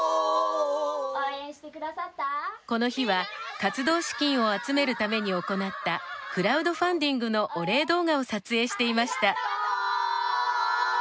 この日は活動資金を集めるために行ったクラウドファンディングのお礼動画を撮影していました。